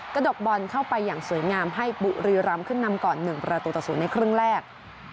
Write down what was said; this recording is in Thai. ดกบอลเข้าไปอย่างสวยงามให้บุรีรำขึ้นนำก่อน๑ประตูต่อ๐ในครึ่งแรก